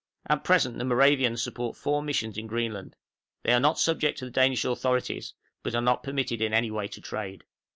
At present the Moravians support four missions in Greenland; they are not subject to the Danish authorities, but are not permitted in any way to trade.